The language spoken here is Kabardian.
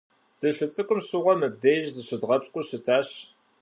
Дыщыцӏыкӏум щыгъуэ мыбдеж зыщыдгъэпщкӏуу щытащ.